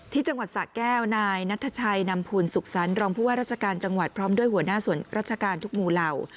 จังหวัดสะแก้วนายนัทชัยนำภูลสุขสรรครองผู้ว่าราชการจังหวัดพร้อมด้วยหัวหน้าส่วนราชการทุกหมู่เหล่า